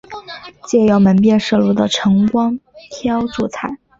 借由门边射入的晨光挑著菜